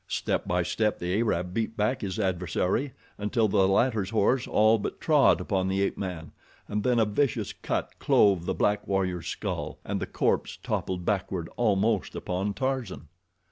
Step by step the Arab beat back his adversary until the latter's horse all but trod upon the ape man, and then a vicious cut clove the black warrior's skull, and the corpse toppled backward almost upon Tarzan.